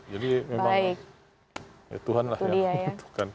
jadi memang ya tuhan lah yang membutuhkan